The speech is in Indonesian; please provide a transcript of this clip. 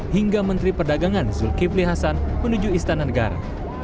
hingga menteri perdagangan zulkifli hasan menuju istana negara